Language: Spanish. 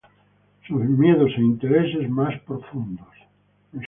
sus miedos e intereses más profundos